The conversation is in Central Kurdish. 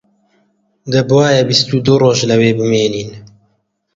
دەبوایە بیست و دوو ڕۆژ لەوێ بمێنین